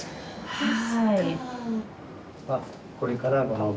はい。